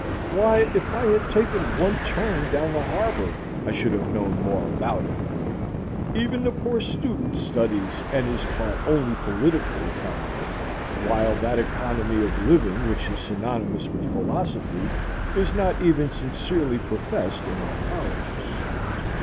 —why, if I had taken one turn down the harbor I should have known more about it. Even the poor student studies and is taught only political economy, while that economy of living which is synonymous with philosophy is not even sincerely professed in our colleges.